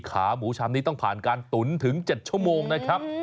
ขาหมูชามนี้ต้องผ่านการตุ๋นถึง๗ชั่วโมงนะครับ